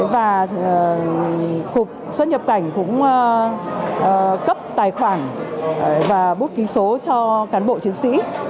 và cục xuất nhập cảnh cũng cấp tài khoản và bút ký số cho cán bộ chiến sĩ